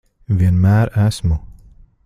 Vienmēr esmu.